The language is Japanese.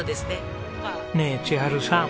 ねえ千温さん